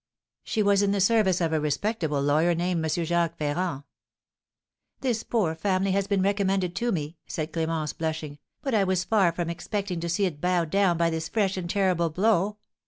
"She was in the service of a respectable lawyer named M. Jacques Ferrand." "This poor family has been recommended to me," said Clémence, blushing; "but I was far from expecting to see it bowed down by this fresh and terrible blow.